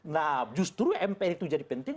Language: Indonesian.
nah justru mpr itu jadi penting